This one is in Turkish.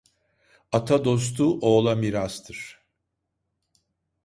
Ata dostu oğla mirastır.